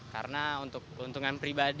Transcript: karena untuk keuntungan pribadi